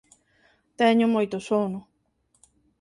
Teño moito sono.